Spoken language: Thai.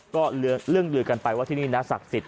ก็เรื่องลือกันไปว่าที่นี่นะศักดิ์สิท